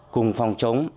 cùng phòng chống